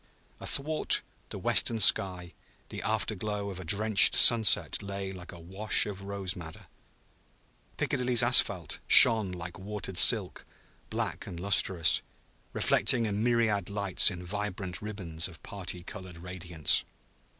Athwart the western sky the after glow of a drenched sunset lay like a wash of rose madder. Piccadilly's asphalt shone like watered silk, black and lustrous, reflecting a myriad lights in vibrant ribbons of party colored radiance.